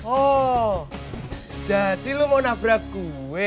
oh jadi kamu mau ketabrak aku